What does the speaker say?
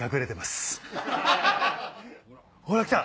ほらきた。